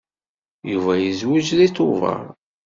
Yuba yezweǧ deg Tubeṛ.